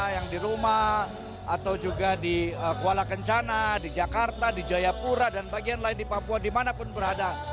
yang di rumah atau juga di kuala kencana di jakarta di jayapura dan bagian lain di papua dimanapun berada